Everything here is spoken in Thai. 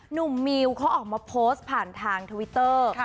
หนุ่มมิวย์ลเขาออกมาโพสต์ผ่านทางทวิเตอร์